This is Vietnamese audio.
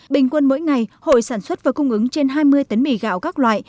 bình quân mỗi ngày hội sản xuất và cung ứng trên hai mươi tấn mì gạo các loại